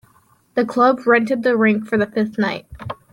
The club rented the rink for the fifth night.